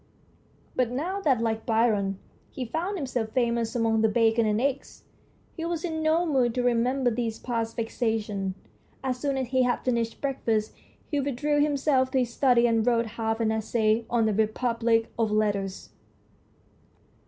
But now that, like Byron, he found himself famous among the bacon and eggs, he was in no mood to remember these past vexations. As soon as he had finished breakfast he withdrew himself THE STORY OF A BOOK 135 to his study and wrote half an essay on the Republic of Letters.